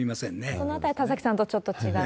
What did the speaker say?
そのあたり、田崎さんとちょっと違う。